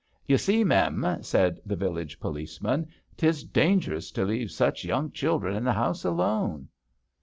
"You see, Mem," said the village police man, " 'tis dangerous to leave such young children in the house alone."